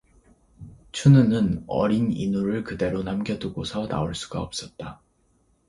춘우는 어린 인우를 그대로 남겨 두고서 나올 수가 없었다.